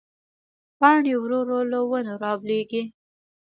پاڼې ورو ورو له ونو رالوېږي